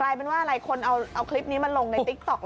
เป็นว่าอะไรคนเอาคลิปนี้มาลงในติ๊กต๊อก